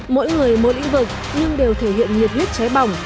mỗi người mỗi lĩnh vực nhưng đều thể hiện nhiệt huyết cháy bỏng